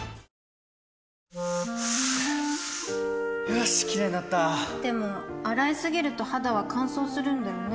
よしキレイになったでも、洗いすぎると肌は乾燥するんだよね